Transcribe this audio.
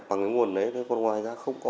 bằng cái nguồn đấy còn ngoài ra không có